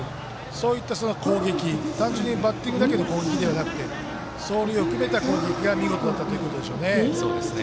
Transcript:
そういった攻撃、単純にバッティングだけの攻撃だけでなく走塁を含めた攻撃が見事だったということでしょうね。